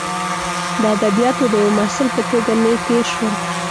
د ادبیاتو د یوه محصل په توګه مې تیر شول.